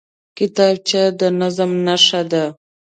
کتابچه د نظم نښه ده